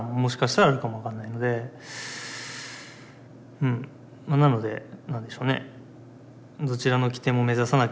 うんなので何でしょうね